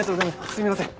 すみません。